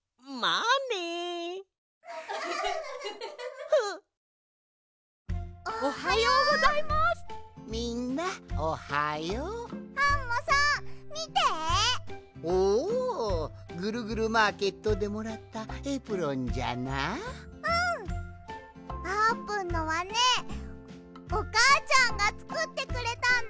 あーぷんのはねおかあちゃんがつくってくれたんだ！